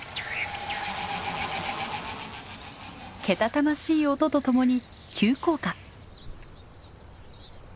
けたたましい音とともに急降下！